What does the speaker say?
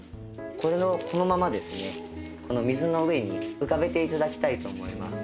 このままですね水の上に浮かべて頂きたいと思います。